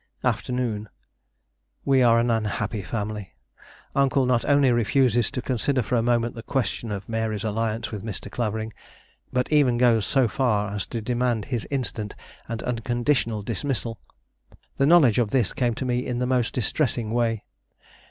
"Afternoon. We are an unhappy family! Uncle not only refuses to consider for a moment the question of Mary's alliance with Mr. Clavering, but even goes so far as to demand his instant and unconditional dismissal. The knowledge of this came to me in the most distressing way.